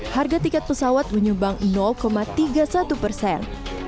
harga tiket pesawat menyumbang tiga puluh satu persen